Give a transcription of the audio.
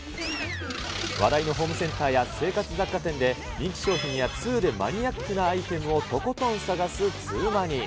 話題のホームセンターや生活雑貨店で、人気商品やツウでマニアックなアイテムをとことん探すツウマニ。